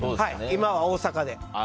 今は大阪で。